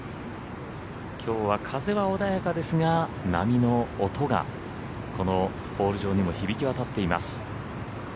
きょうは風は穏やかですが波の音がこのホール上にも響き渡っています。